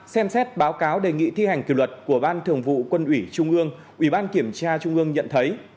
xem xét báo cáo đề nghị thi hành kỷ luật của ban thường vụ quân ủy trung ương ủy ban kiểm tra trung ương nhận thấy